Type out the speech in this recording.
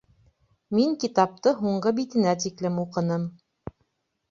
Мин китапты һуңғы битенә тиклем уҡыным